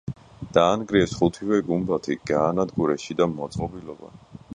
დაანგრიეს ხუთივე გუმბათი, გაანადგურეს შიდა მოწყობილობა.